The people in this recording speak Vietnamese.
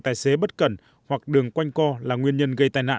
tài xế bất cẩn hoặc đường quanh co là nguyên nhân gây tai nạn